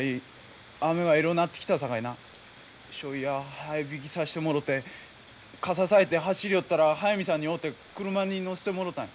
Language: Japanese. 早引きさしてもろて傘さいて走りよったら速水さんに会うて車に乗せてもろたんや。